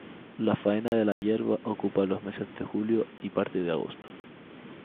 La faena de la "yerba" ocupa los meses de Julio y parte de Agosto.